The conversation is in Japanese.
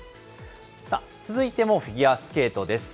続いてもフィギュアスケートです。